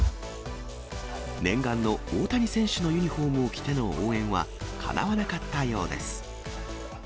念願の大谷選手のユニホームを着ての応援は、かなわなかったようです。